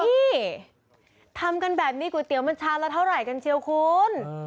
นี่ทำกันแบบนี้ก๋วยเตี๋ยวมันชามละเท่าไหร่กันเชียวคุณ